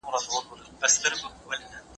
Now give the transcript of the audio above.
هغه د زوال سمبول ګڼل کېږي.